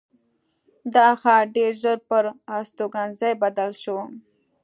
دا ښار ډېر ژر پر استوګنځي بدل شو.